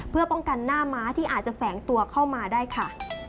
เพื่อป้องกันหน้าม้าที่อาจจะแฝงตัวเข้ามาได้ค่ะ